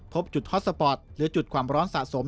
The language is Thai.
พบจุดฮอตสปอร์ตหรือจุดความร้อนสะสม